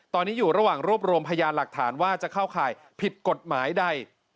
ตอนนี้อยู่ระหว่างรวบรวมพยานหลักฐานว่าจะเข้าข่ายผิดกฎหมายใด